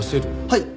はい！